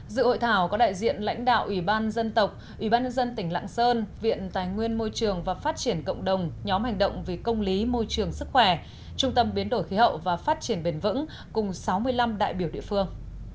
dự hội thảo có đại diện lãnh đạo ủy ban dân tộc ủy ban nhân dân tỉnh lạng sơn viện tài nguyên môi trường và phát triển cộng đồng nhóm hành động vì công lý môi trường sức khỏe trung tâm biến đổi khí hậu và phát triển bền vững cùng sáu mươi năm đại biểu địa phương